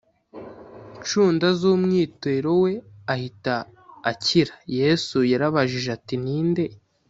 ncunda z umwitero we ahita akira yesu yarabajije ati ni nde